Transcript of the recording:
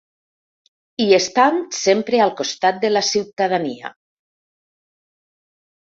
I estant sempre al costat de la ciutadania.